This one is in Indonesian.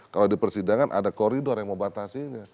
kalau di persidangan ada koridor yang mau batasinya